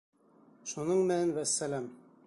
Шуның менән вәссәләм.